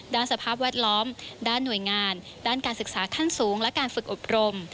สภาพแวดล้อมด้านหน่วยงานด้านการศึกษาขั้นสูงและการฝึกอบรม